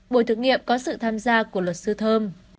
bộ thực nghiệm có sự tham gia của luật sư thơm